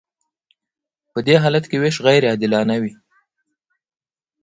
په دې حالت کې ویش غیر عادلانه وي.